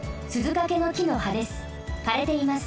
かれています。